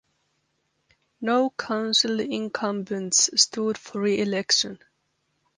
No council incumbents stood for reelection.